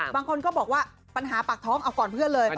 บางคนเขาบอกว่าปัญหาปากท้องก่อนที่สุด